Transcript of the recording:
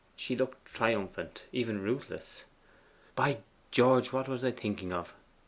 She looked triumphant even ruthless. 'By George! what was I thinking of?